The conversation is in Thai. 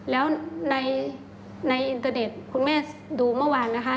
แล้วในอินเตอร์เน็ตคุณแม่ดูเมื่อวานนะคะ